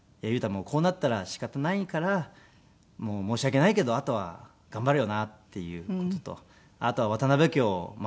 もうこうなったら仕方ないから申し訳ないけどあとは頑張れよなっていう事とあとは渡辺家を任せるぞって。